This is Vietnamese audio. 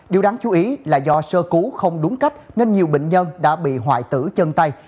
điều đáng chú ý là do sơ cứu không đúng cách nên nhiều bệnh nhân đã bị hoại tử chân tay